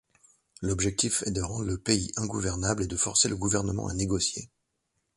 L'objectif est de rendre le pays ingouvernable et de forcer le gouvernement à négocier.